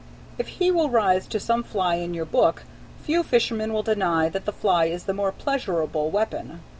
If he will rise to some fly in your book, few fishermen will deny that the fly is the more pleasurable weapon.